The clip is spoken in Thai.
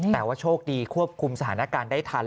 แต่ว่าโชคดีควบคุมสถานการณ์ได้ทัน